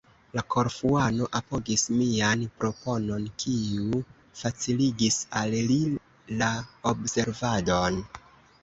La Korfuano apogis mian proponon, kiu faciligis al li la observadon.